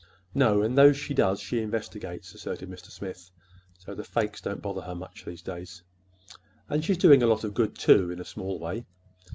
"No; and those she does get she investigates," asserted Mr. Smith. "So the fakes don't bother her much these days. And she's doing a lot of good, too, in a small way."